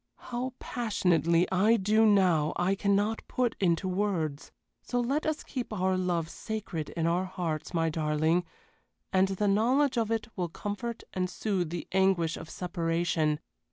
How passionately I do now I cannot put into words. So let us keep our love sacred in our hearts, my darling, and the knowledge of it will comfort and soothe the anguish of separation.